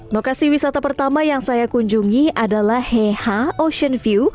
lokasi wisata pertama yang saya kunjungi adalah heha ocean view